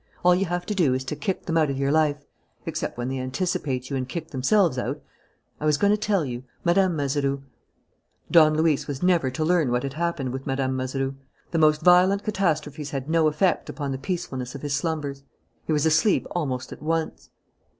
All you have to do is to kick them out of your life except when they anticipate you and kick themselves out.... I was going to tell you: Mme. Mazeroux " Don Luis was never to learn what had happened with Mme. Mazeroux. The most violent catastrophies had no effect upon the peacefulness of his slumbers. He was asleep almost at once.